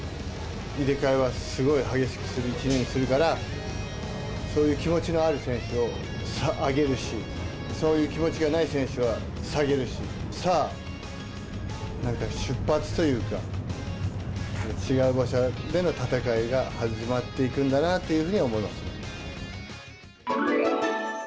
入れ替えはすごい激しくする１年にするから、そういう気持ちのある選手を上げるし、そういう気持ちがない選手は下げるし、さあ、なんか出発というか、違う場所での戦いが始まっていくんだなというふうに思いますね。